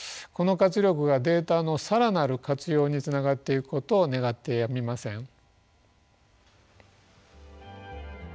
この活力がデータの更なる活用につながっていくことを願ってやみません。